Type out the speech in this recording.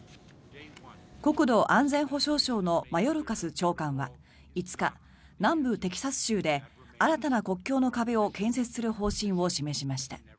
国土安全保障省のマヨルカス長官は５日南部テキサス州で新たな国境の壁を建設する方針を示しました。